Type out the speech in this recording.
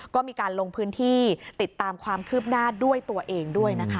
ก็มีการลงพื้นที่ติดตามความคืบหน้าด้วยตัวเองด้วยนะคะ